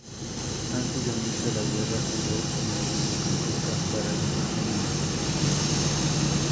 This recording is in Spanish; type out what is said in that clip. Antes de unirse a la guerra, jugó como mediocampista para el Genoa.